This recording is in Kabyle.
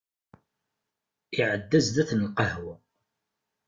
Iɛedda zdat n lqahwa.